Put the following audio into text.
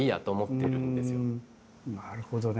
なるほどね。